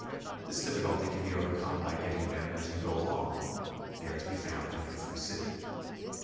This difficulty can be well overcome by getting them as you go along; they are to he found in every city.